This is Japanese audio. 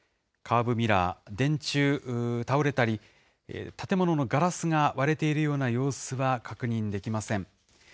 カーブミラー、電柱、倒れたり、建物のガラスが割れているような様子は確認できません。